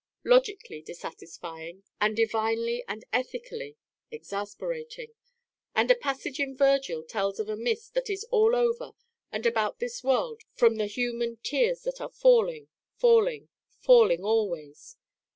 Logically dissatisfying and divinely and ethically exasperating. a passage in Vergil tells of a Mist that is all over and about this world from the human 'tears that are falling, falling, falling always.